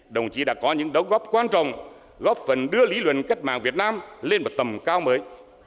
đồng chí đã có những đóng góp quan trọng góp phần đưa lý luận cách mạng việt nam lên một tầm cao mới